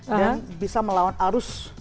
dan bisa melawan arus